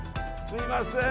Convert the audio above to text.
すいません